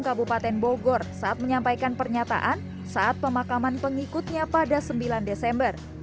kabupaten bogor saat menyampaikan pernyataan saat pemakaman pengikutnya pada sembilan desember